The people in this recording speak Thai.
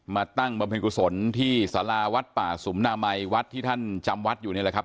มาตั้งบรรพันคุยศรที่สราวัดป่าสุมนามัยวัดที่ท่านจำวัดอยู่นี่ล่ะครับ